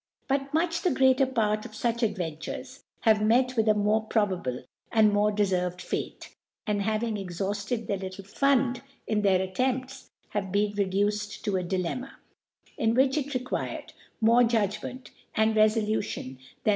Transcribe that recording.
But much the greater Part of fuch Adventurers have met with a more probable and more de fer ved (38 ) ferjved Fate ; and Having eKhaufted their iictle Fund in tbeir Attempts, have been .vedaced co a jDilemrpa, in which it reqpired more Judgment and Refolutipn than.